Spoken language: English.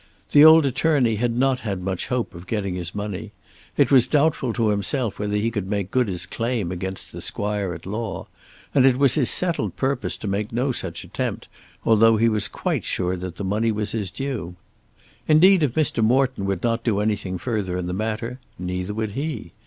The old attorney had not had much hope of getting his money. It was doubtful to himself whether he could make good his claim against the Squire at law, and it was his settled purpose to make no such attempt although he was quite sure that the money was his due. Indeed if Mr. Morton would not do anything further in the matter, neither would he.